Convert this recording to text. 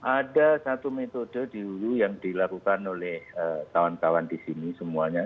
ada satu metode di hulu yang dilakukan oleh kawan kawan di sini semuanya